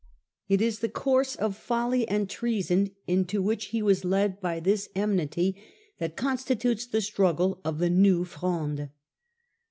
It is the course of folly and treason into which he was led by this enmity that constitutes the struggle of the New Fronde.